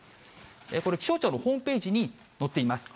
これ、気象庁のホームページに載っています。